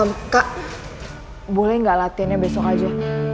hmm kak bole gak latihannya besok aja